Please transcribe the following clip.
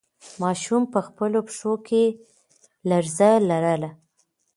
ماشوم په خپلو پښو کې لړزه لرله.